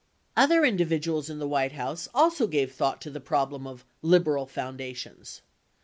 75 Other individuals in the White House also gave thought to the problem of "liberal" foundations.